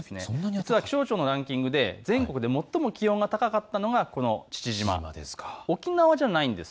気象庁のランキングで全国で最も気温が高かったのがこの父島、沖縄じゃないんです。